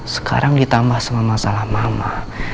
sekarang ditambah sama masalah mama